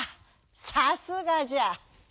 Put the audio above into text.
さすがじゃ！